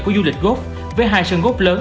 của du lịch góp với hai sân góp lớn